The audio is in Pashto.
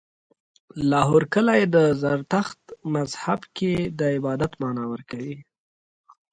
لاهور کلی دی، دا د زرتښت مذهب کې د عبادت ځای معنا ورکوي